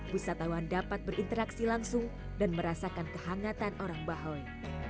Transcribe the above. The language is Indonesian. wisatawan dapat berinteraksi langsung dan merasakan kehangatan orang bahoy